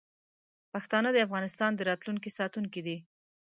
پښتانه د افغانستان د راتلونکي ساتونکي دي.